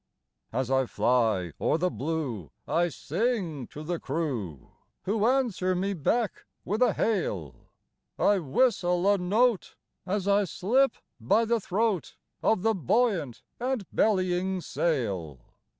As I fly o'er the blue I sing to the crew, Who answer me back with a hail; I whistle a note as I slip by the throat Of the buoyant and bellying sail.